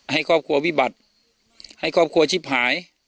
ให้ครอบครัววิบัติให้ครอบครัวชิบหาย